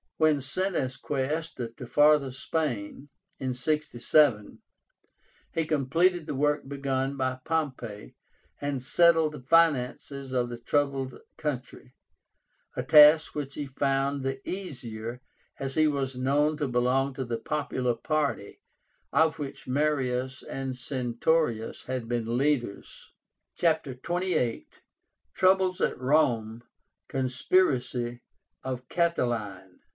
When sent as Quaestor to Farther Spain, in 67, he completed the work begun by Pompey and settled the finances of the troubled country, a task which he found the easier as he was known to belong to the popular party, of which Marius and Sertorius had been leaders. CHAPTER XXVIII. TROUBLES AT ROME. CONSPIRACY OF CATILINE.